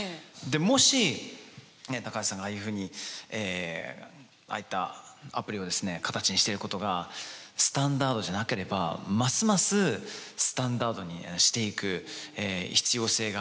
もし橋さんがああいうふうにああいったアプリをですね形にしてることがスタンダードじゃなければますますスタンダードにしていく必要性があると。